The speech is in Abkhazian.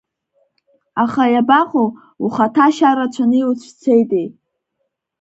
Аха иабаҟоу ухаҭа ашьа рацәаны иуцәцеитеи!